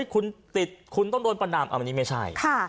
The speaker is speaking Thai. คุณติดคุณต้องโดนประนามอันนี้ไม่ใช่